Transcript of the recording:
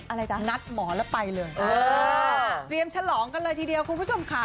อะไรจ๊ะนัดหมอแล้วไปเลยเออเตรียมฉลองกันเลยทีเดียวคุณผู้ชมค่ะ